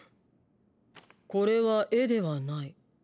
「これは絵ではない。